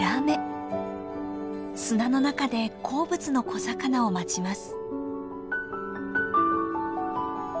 砂の中で好物の小魚を待ちます。